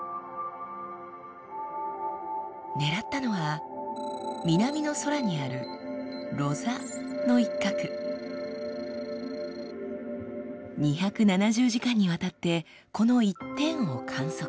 狙ったのは南の空にある２７０時間にわたってこの一点を観測。